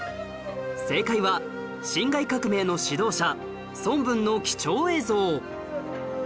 正解は辛亥革命の指導者孫文の貴重映像